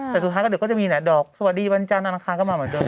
แต่สุดท้ายก็จะมีดอกสวัสดีวันจานอาหารค้าก็มาเหมือนเดิม